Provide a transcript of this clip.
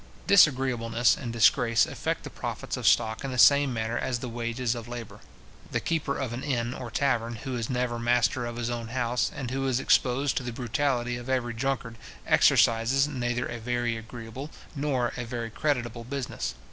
Disagreeableness and disgrace affect the profits of stock in the same manner as the wages of labour. The keeper of an inn or tavern, who is never master of his own house, and who is exposed to the brutality of every drunkard, exercises neither a very agreeable nor a very creditable business.